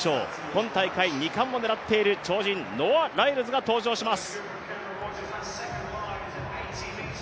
今大会２冠を狙っている超人ノア・ライルズが登場します。